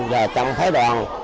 và trong khái đoàn